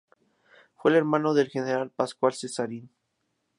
Fue hermano del general Pascual Casarín.